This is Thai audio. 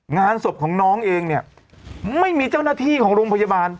งานศพของน้องเองเนี่ยไม่มีเจ้าหน้าที่ของโรงพยาบาล